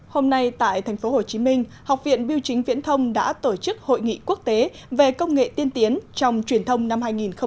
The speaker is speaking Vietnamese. hôm nay tại tp hcm học viện biêu chính viễn thông đã tổ chức hội nghị quốc tế về công nghệ tiên tiến trong truyền thông năm hai nghìn một mươi chín